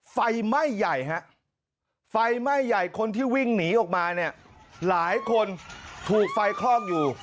ไฟไหม้ใหญ่ฮะไฟไหม้ใหญ่คนที่วิ่งหนีออกมาเนี่ยหลายคนถูกไฟคลอกอยู่